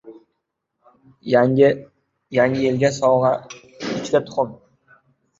Qur’on musobaqasi: Bugun kim g‘olib bo‘ladi?